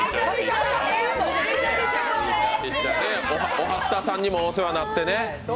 「おはスタ」さんにもお世話になってね。